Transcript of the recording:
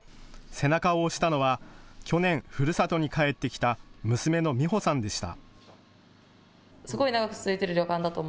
背中を押したのは去年ふるさとに帰ってきた娘の美歩さんでした。